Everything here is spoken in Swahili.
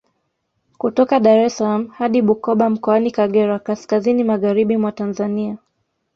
Kutoka Dar es salaam hadi Bukoba Mkoani Kagera kaskazini Magharibi mwa Tanzania